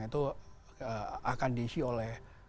itu akan diisi oleh